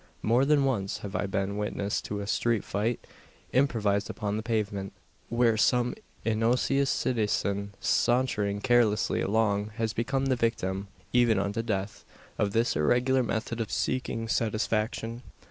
More than once have I been witness to a "street fight" improvised upon the pavement where some innocuous citizen, sauntering carelessly along, has become the victim even unto death of this irregular method of seeking "satisfaction."